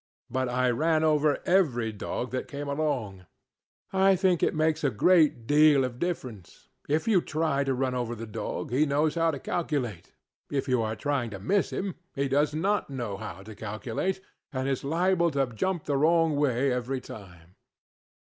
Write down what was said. But I ran over every dog that came along. I think it makes a great deal of difference. If you try to run over the dog he knows how to calculate, but if you are trying to miss him he does not know how to calculate, and is liable to jump the wrong way every time.